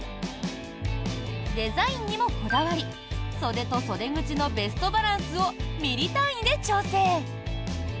デザインにもこだわり袖と袖口のベストバランスをミリ単位で調整。